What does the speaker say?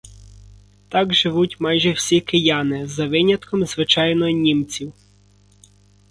Так живуть майже всі кияни, за винятком, звичайно, німців.